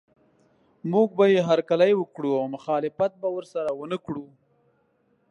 موږ به یې هرکلی وکړو او مخالفت به ورسره ونه کړو.